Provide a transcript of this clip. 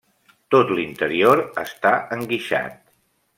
Tot l'interior està enguixat.